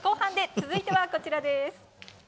続いてはこちらです。